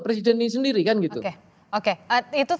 presiden ini sendiri kan gitu oke itu